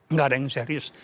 enggak ada yang serius